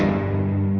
ya allah opi